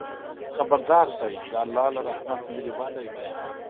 خبردار شئ! د الله له رحمته لرېوالی دی.